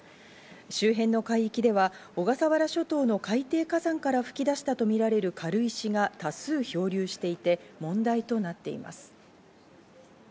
周辺の海域では小笠原諸島の海底火山から噴き出したとみられる軽石が多数漂流していて問題となっています。